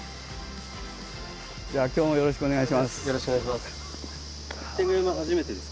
じゃあ今日もよろしくお願いします。